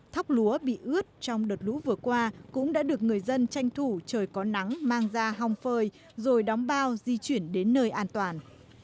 thóc lúa bị ướt trong đợt lũ vừa qua cũng đã được người dân tranh thủ trời có nắng mang ra hòng phơi rồi đóng bao di chuyển đến nơi an toàn